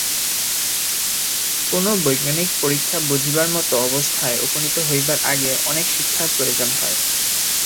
কোন বৈজ্ঞানিক পরীক্ষা বুঝিবার মত অবস্থায় উপনীত হইবার আগে অনেক শিক্ষার প্রয়োজন হয়।